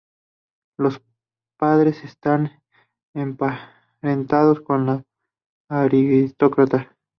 Los padres estaban emparentados con la aristocracia.